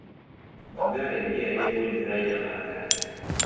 mfugale ndiye aliyebuni daraja la malagarasi